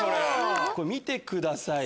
「これ見てください」